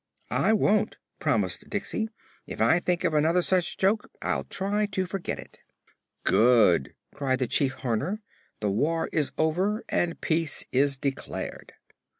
"I won't," promised Diksey. "If I think of another such joke I'll try to forget it." "Good!" cried the Chief Horner. "The war is over and peace is declared."